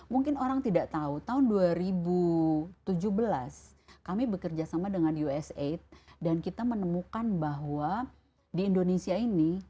mungkin orang tidak tahu tahun dua ribu tujuh belas kami bekerjasama dengan u s aid dan kita menemukan bahwa di indonesia ini